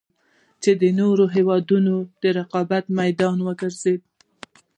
چـې د نـورو هېـوادونـو د رقـابـت مـيدان وګـرځـي.